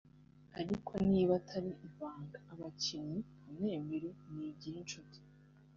Ariko niba atari ibanga abakinnyi nka Mwemere Nigirinshuti